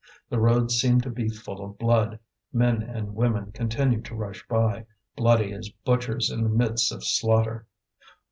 The road seemed to be full of blood; men and women continued to rush by, bloody as butchers in the midst of slaughter.